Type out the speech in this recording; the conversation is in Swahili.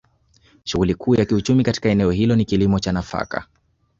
Shughuli Kuu ya kiuchumi katika eneo hilo ni kilimo cha nafaka